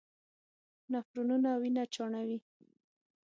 نفرونونه وینه چاڼوي.